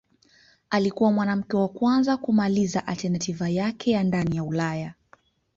Alikuwa mwanamke wa kwanza kumaliza alternativa yake ndani ya Ulaya.